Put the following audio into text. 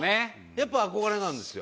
やっぱ憧れなんですよ。